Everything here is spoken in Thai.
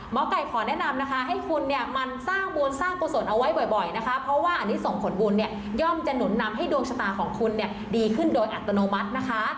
ไก่ขอแนะนำนะคะให้คุณเนี่ยมันสร้างบุญสร้างกุศลเอาไว้บ่อยนะคะเพราะว่าอันนี้ส่งผลบุญเนี่ยย่อมจะหนุนนำให้ดวงชะตาของคุณเนี่ยดีขึ้นโดยอัตโนมัตินะคะ